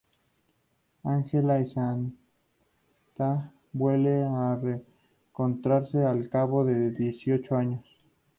Ángela y Samantha vuelven a reencontrarse al cabo de dieciocho años.